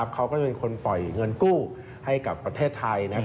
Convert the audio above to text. เขาก็จะเป็นคนปล่อยเงินกู้ให้กับประเทศไทย